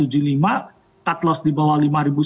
cutloss di bawah lima seratus